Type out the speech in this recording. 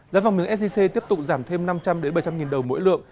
giá vàng miếng sgc tiếp tục giảm thêm năm trăm linh bảy trăm linh nghìn đồng mỗi lượng